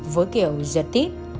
với kiểu giật tiếp